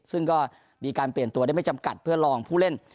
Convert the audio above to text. ซึ่งก็มีการเปลี่ยนตัวได้ไม่จำกัดเพื่อลองผู้เล่น